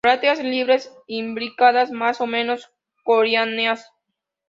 Brácteas libres, imbricadas, más o menos coriáceas.